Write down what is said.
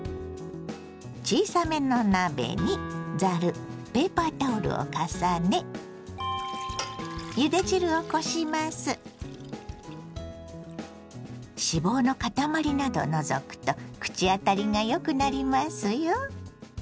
小さめの鍋にざるペーパータオルを重ね脂肪の塊などを除くと口当たりがよくなりますよ。